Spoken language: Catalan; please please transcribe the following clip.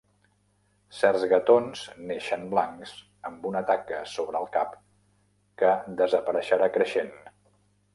Certs gatons neixen blancs amb una taca sobre el cap que desapareixerà creixent.